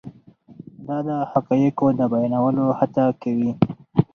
دی د حقایقو د بیانولو هڅه کوي.